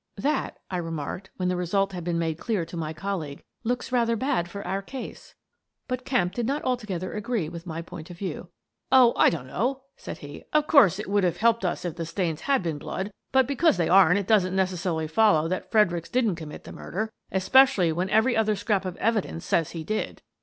"That," I remarked, when the result had been made clear to my colleague, " looks rather bad for our case." But Kemp did not altogether agree with my point of view. " Oh, I don't know," said he. " Of course, it would have helped us if the stains had been blood, but because they aren't it doesn't necessarily follow that Fredericks didn't commit the murder, espe cially when every other scrap of evidence says he did."